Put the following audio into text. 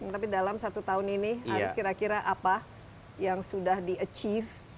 tapi dalam satu tahun ini kira kira apa yang sudah di achieve